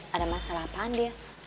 ada masalah apaan dia